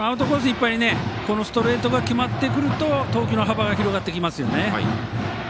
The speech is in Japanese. いっぱいにストレートが決まってくると投球の幅が広がってきますね。